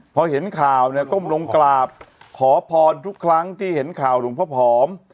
พอเห็นข่าวเนี่ยก้มลงกราบขอพรทุกครั้งที่เห็นข่าวหลวงพ่อผอม